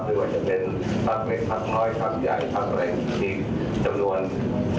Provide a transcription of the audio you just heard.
ด้วยว่าจะเป็นฝากเมฆฝากงร้อยฝากยายฝากอะไรจำนวนสมัครชีวศาสตร์